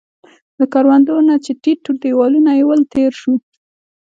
له کروندو نه چې ټیټ دیوالونه يې ول، تېر شوو.